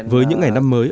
với những ngày năm mới